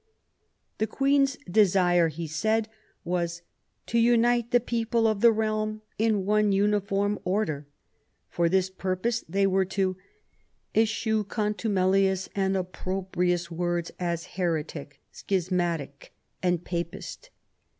The Queen's desire, he said, was " to unite the people of the realm in one uniform order"; for this purpose they were to "eschew contumelious and opprobrious words as heretic, schismatic and Papist